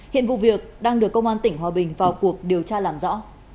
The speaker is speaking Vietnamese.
hiện vụ việc đang được công an tỉnh hòa bình vào cuộc điều tra làm rõ